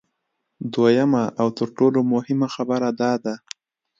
دویمه او تر ټولو مهمه خبره دا ده